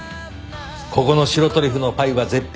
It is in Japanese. ここの白トリュフのパイは絶品。